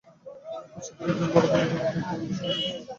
পাশ্চাত্যের একজন বড় পণ্ডিতের মুখে একটি গল্প শুনিয়াছিলাম, সেটি বলিতেছি।